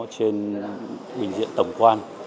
trên bình diện tổng quan